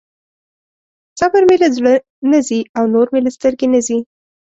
صبر مې له زړه نه ځي او نور مې له سترګې نه ځي.